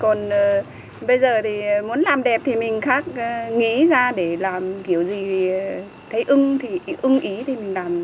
còn bây giờ thì muốn làm đẹp thì mình khác nghĩ ra để làm kiểu gì thấy ưng thì ưng ý thì mình làm